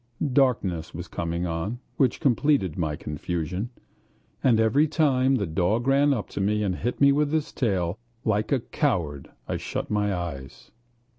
Darkness was coming on, which completed my confusion, and every time the dog ran up to me and hit me with his tail, like a coward I shut my eyes.